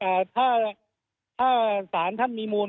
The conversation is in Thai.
คราวหน้ายังถ้าศาลท่านมีมูล